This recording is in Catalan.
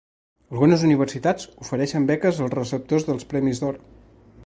Algunes universitats ofereixen beques als receptors dels Premis d'Or.